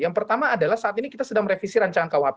yang pertama adalah saat ini kita sedang merevisi rancangan kuhp